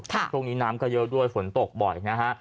ช่วงนี้น้ำก็เยอะด้วยฝนตกบ่อยนะฮะ